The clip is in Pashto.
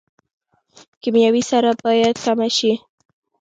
کیمیاوي سره باید کمه شي